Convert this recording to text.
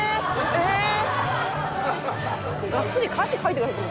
えっ！